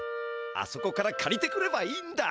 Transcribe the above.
あそこからかりてくればいいんだ！